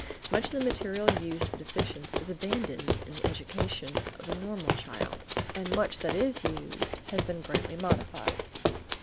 Much of the material used for deficients is abandoned in the education of the normal child–and much that is used has been greatly modified.